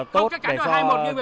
tốt để cho lượt về